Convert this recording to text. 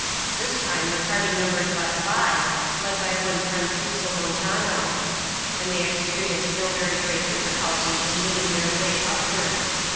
This time the party numbered but five, led by one Francisco Montano; and they experienced no very great difficulty in winning their way upwards.